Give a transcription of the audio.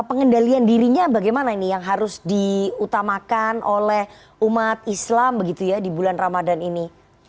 pengendalian dirinya bagaimana ini yang harus diutamakan oleh umat islam begitu ya di bulan ramadan ini